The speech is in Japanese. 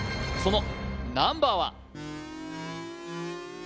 そのナンバーは？